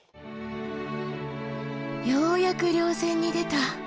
ようやく稜線に出た。